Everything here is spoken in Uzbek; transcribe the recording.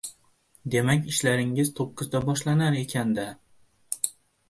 — Demak, ishlaringiz to‘qqizda boshlanar ekan-da?